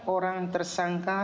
tiga orang tersangka